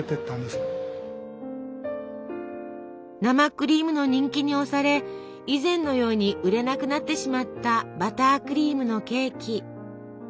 生クリームの人気に押され以前のように売れなくなってしまったバタークリームのケーキ。